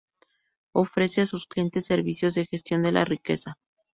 Ofrece a sus clientes servicios, de gestión de la riqueza.